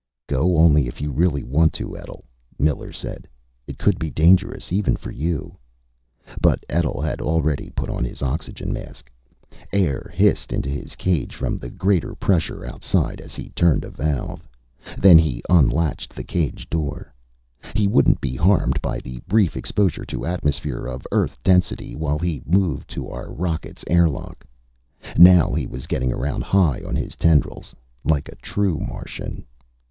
"Go only if you really want to, Etl," Miller said. "It could be dangerous even for you." But Etl had already put on his oxygen mask. Air hissed into his cage from the greater pressure outside as he turned a valve. Then he unlatched the cage door. He wouldn't be harmed by the brief exposure to atmosphere of Earth density while he moved to our rocket's airlock. Now he was getting around high on his tendrils. Like a true Martian.